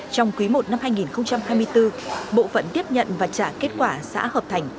trong quý i năm hai nghìn hai mươi bốn bộ phận tiếp nhận và trả kết quả xã hợp thành